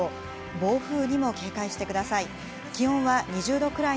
暴風にも警戒してください。